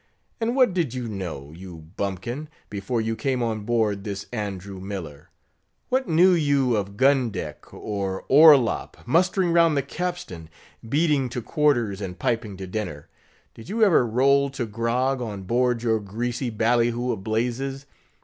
And what did you know, you bumpkin! before you came on board this Andrew Miller? What knew you of gun deck, or orlop, mustering round the capstan, beating to quarters, and piping to dinner? Did you ever roll to grog on board your greasy ballyhoo of blazes?